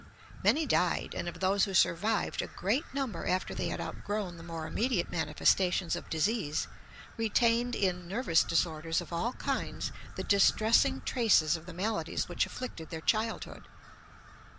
Many died, and of those who survived, a great number, after they had outgrown the more immediate manifestations of disease, retained in nervous disorders of all kinds the distressing traces of the maladies which afflicted their childhood.